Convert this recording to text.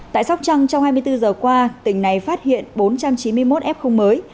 tại sóc trăng trong hai mươi bốn giờ qua tỉnh này phát hiện bốn trăm chín mươi một f mới